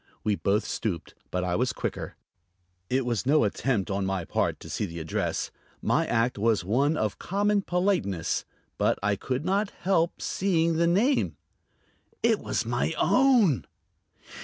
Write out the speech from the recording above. We both stooped, but I was quicker. It was no attempt on my part to see the address; my act was one of common politeness. But I could not help seeing the name. It was my own!